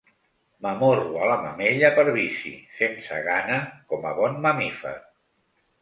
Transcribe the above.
M'amorro a la mamella per vici, sense gana, com a bon mamífer.